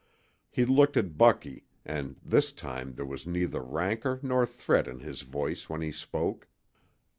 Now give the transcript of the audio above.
He looked at Bucky, and this time there was neither rancor nor threat in his voice when he spoke.